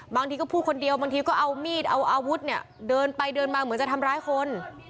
บางทีก็พูดคนเดียวบางทีก็เอามีดเอาอาวุธเนี่ยเดินไปเดินมาเหมือนจะทำร้ายคน